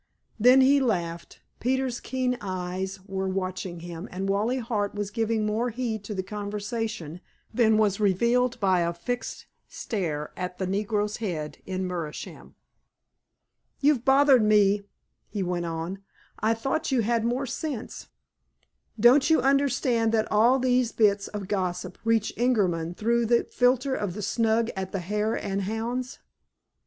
Then he laughed. Peters's keen eyes were watching him, and Wally Hart was giving more heed to the conversation than was revealed by a fixed stare at the negro's head in meerschaum. "You've bothered me," he went on. "I thought you had more sense. Don't you understand that all these bits of gossip reach Ingerman through the filter of the snug at the Hare and Hounds?"